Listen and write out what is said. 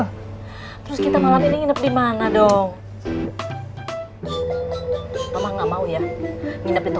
terus kita malam ini nginep dimana dong